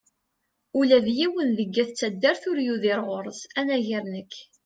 Ula d yiwen seg at taddart ur yuder ɣur-s, anagar nekk.